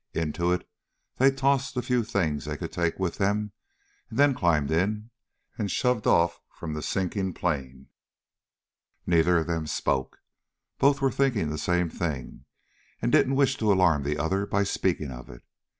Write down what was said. Into it they tossed the few things they could take with them and then climbed in and shoved off from the sinking plane. Neither of them spoke. Both were thinking the same thing, and didn't wish to alarm the other by speaking of it.